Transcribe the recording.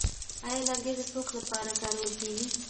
آیا لرګي د سوخت لپاره کارول کیږي؟